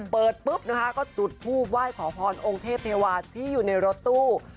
เปิดปุ๊บนะคะก็จุดทูบไหว้ขอพรองค์เทพเทวาที่อยู่ในรถตู้